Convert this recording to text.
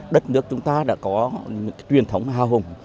đất nước chúng ta đã có truyền thống hào hùng